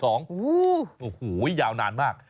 โอ้โหยาวนานมาก